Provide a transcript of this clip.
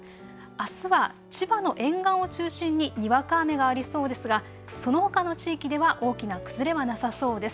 あすは千葉の沿岸を中心ににわか雨がありそうですがそのほかの地域では大きな崩れはなさそうです。